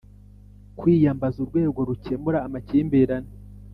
kwiyambaza urwego Rukemura amakimbirane